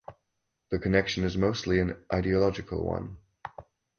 The connection is mostly an ideological one.